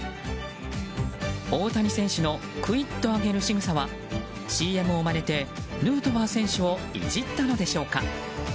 大谷選手のくいっと上げる、しぐさはＣＭをまねて、ヌートバー選手をいじったのでしょうか。